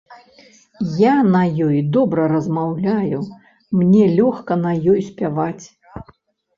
Я на ёй добра размаўляю, мне лёгка на ёй спяваць.